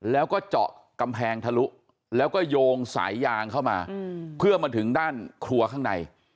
แล้วก็เจาะกำแพงทะลุแล้วก็โยงสายยางเข้ามาเพื่อมาถึงด้านครัวข้างใน